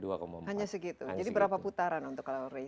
hanya segitu jadi berapa putaran untuk kalau race